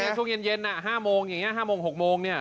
นี่ช่วงเย็น๕โมงอย่างเนี่ย๕โมง๖โมงเนี่ย